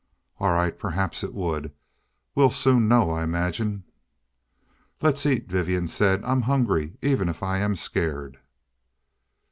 "All right. Perhaps it would. We'll soon know, I imagine." "Let's eat," Vivian said. "I'm hungry, even if I am scared."